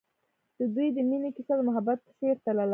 د دوی د مینې کیسه د محبت په څېر تلله.